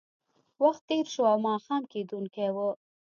وخت تېر شو او ماښام کېدونکی و